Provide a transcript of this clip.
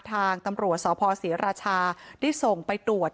ทางตำรวจสพศรีราชาได้ส่งไปตรวจ